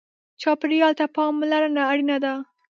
چاپېریال ته پاملرنه اړینه ده.